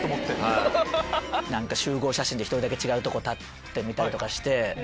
集合写真で１人だけ違うとこ立ってみたりして。